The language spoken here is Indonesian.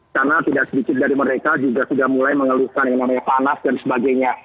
karena tidak sedikit dari mereka juga sudah mulai mengeluhkan yang namanya panas dan sebagainya